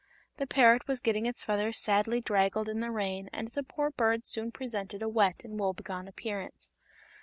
The parrot was getting its feathers sadly draggled in the rain and the poor bird soon presented a wet and woebegone appearance.